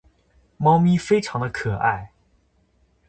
猫咪非常的可爱。